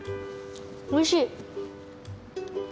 おいしい！